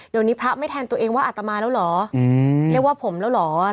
เดี๋ยวนี้พระไม่แทนตัวเองว่าอัตมาแล้วเหรอเรียกว่าผมแล้วเหรอ